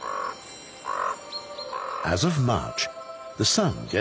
３月。